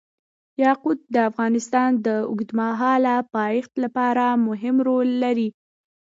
یاقوت د افغانستان د اوږدمهاله پایښت لپاره مهم رول لري.